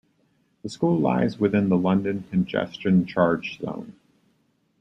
The School lies within the London Congestion Charge zone.